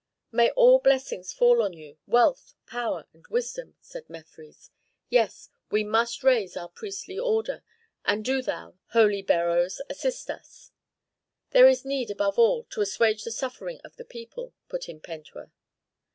"May all blessings fall on you, wealth, power, and wisdom," said Mefres. "Yes, we must raise our priestly order, and do thou, holy Beroes, assist us." "There is need, above all, to assuage the suffering of the people," put in Pentuer.